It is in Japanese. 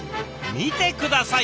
見て下さい！